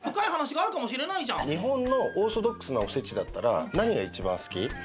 日本のオーソドックスなおせちだったら何が一番好き？